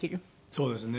そうですね。